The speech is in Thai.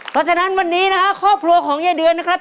เพราะฉะนั้นวันนี้นะครับ